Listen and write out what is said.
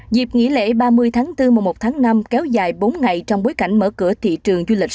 dịp nghỉ lễ ba mươi tháng bốn mùa một tháng năm kéo dài bốn ngày trong bối cảnh mở cửa thị trường du lịch